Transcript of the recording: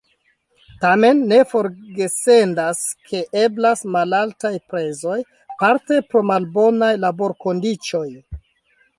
Tamen ne forgesendas, ke eblas malaltaj prezoj parte pro malbonaj laborkondiĉoj.